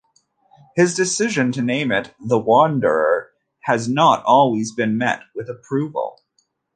His decision to name it "The Wanderer" has not always been met with approval.